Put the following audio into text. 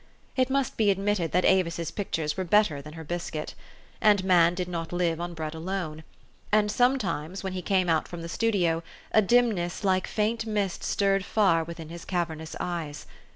It must be admitted that A vis's pic tures were better than her biscuit. And man did THE STORY OF AVIS. 139 not live on bread alone. And sometimes, when he came out from the studio, a dimness like faint mist stirred far within his cavernous eyes.